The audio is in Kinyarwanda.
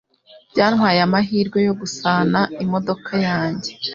Byantwaye amahirwe yo gusana imodoka yanjye.